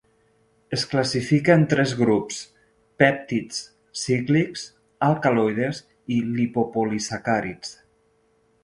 Es classifica en tres grups: pèptids cíclics, alcaloides i lipopolisacàrids.